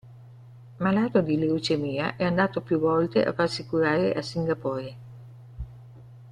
Malato di leucemia, è andato più volte a farsi curare a Singapore.